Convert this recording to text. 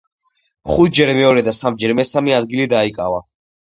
ხუთჯერ მეორე და სამჯერ მესამე ადგილი დაიკავა.